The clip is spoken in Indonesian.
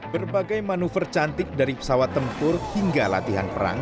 berbagai manuver cantik dari pesawat tempur hingga latihan perang